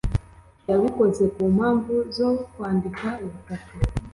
yabikoze ku mpamvu zo kwandika ubutaka